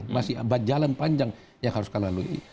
masih ada jalan panjang yang harus kalian lalui